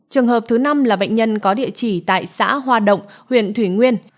trường hợp thứ năm là bệnh nhân có địa chỉ tại xã hoa động huyện thủy nguyên